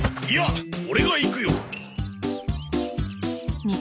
いやオレが行くよ！